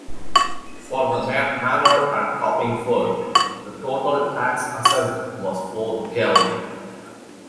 For the manor at Coppingford the total tax assessed was four geld.